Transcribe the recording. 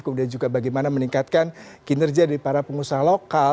kemudian juga bagaimana meningkatkan kinerja dari para pengusaha lokal